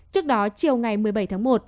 trước đó chiều ngày một mươi bảy tháng một